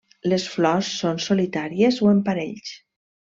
Les flors són solitàries o en parells.